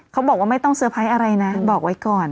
เขาบอกว่าไม่ต้องเซอร์ไพรส์อะไรนะบอกไว้ก่อน